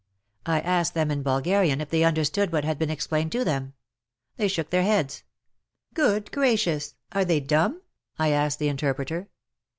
I asked them in Bulgarian if they understood what had been explained to them. They shook their heads. Good gracious !— are they dumb ?— I asked the interpreter.